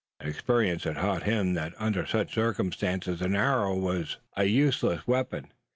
Experience had taught him that under such circumstances an arrow was an useless weapon.